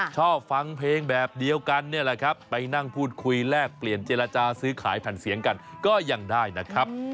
ชอบฟังเพลงแบบเดียวกันเนี่ยแหละครับไปนั่งพูดคุยแลกเปลี่ยนเจรจาซื้อขายแผ่นเสียงกันก็ยังได้นะครับ